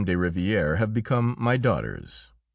de Rivière have become my daughters.